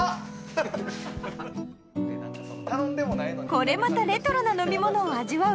これまたレトロな飲み物を味わう